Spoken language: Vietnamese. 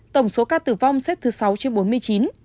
tổng số ca tử vong xếp thứ sáu trên bốn mươi chín